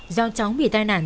do cháu bị tai nạn